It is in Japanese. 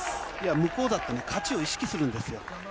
向こうだってね、勝ちを意識そうですね。